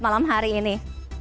malam hari ini